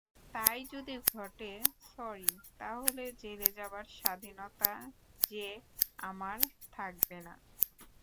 তাই যদি ঘটে সরি, তা হলে জেলে যাবার স্বাধীনতা যে আমার থাকবে না।